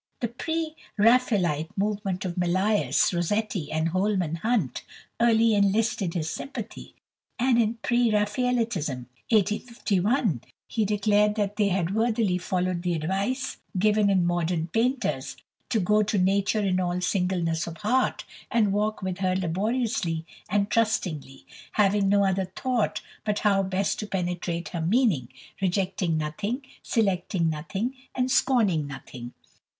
The pre Raphaelite movement of Millais, Rossetti, and Holman Hunt early enlisted his sympathy, and in "Pre Raphaelitism" (1851) he declared that they had worthily followed the advice given in "Modern Painters," to "go to nature in all singleness of heart, and walk with her laboriously and trustingly, having no other thought but how best to penetrate her meaning; rejecting nothing, selecting nothing, and scorning nothing."